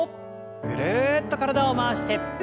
ぐるっと体を回して。